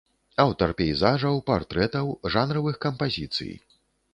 Аўтар пейзажаў, партрэтаў, жанравых кампазіцый.